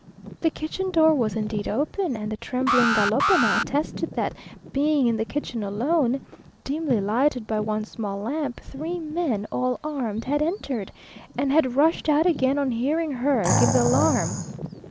The kitchen door was indeed open, and the trembling galopina attested, that being in the kitchen alone, dimly lighted by one small lamp, three men, all armed, had entered, and had rushed out again on hearing her give the alarm.